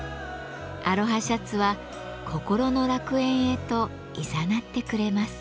アロハシャツは心の楽園へといざなってくれます。